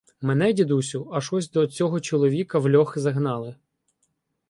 — Мене, дідусю, аж ось до цього чоловіка в льох загнали.